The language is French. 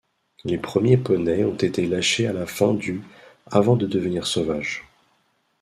Les premiers poneys ont été lâchés à la fin du avant de devenir sauvages.